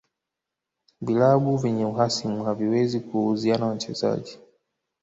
Vilabu vyenye uhasimu haviwezi kuuziana wachezaji